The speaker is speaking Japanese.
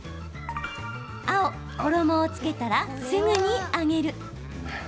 青・衣をつけたらすぐに揚げる。